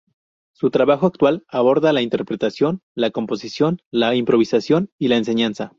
Su trabajo actual aborda la interpretación, la composición, la improvisación y la enseñanza.